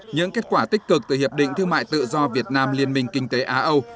những kết quả tích cực từ hiệp định thương mại tự do việt nam liên minh kinh tế á âu